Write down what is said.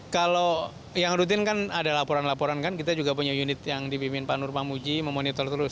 kalau yang rutin kan ada laporan laporan kan kita juga punya unit yang dipimpin pak nur pamuji memonitor terus